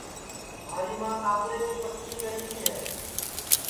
مھاری ماں کاپڑے کے پٹِئیے کری ری ہے